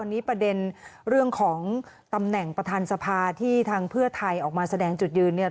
ตอนนี้ประเด็นเรื่องของตำแหน่งประธานสภาที่ทางเพื่อไทยออกมาแสดงจุดยืนเนี่ย